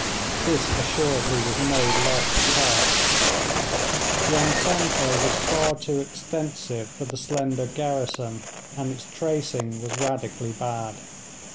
This assuredly was no light task. The enciente was far too extensive for the slender garrison, and its tracing was radically bad.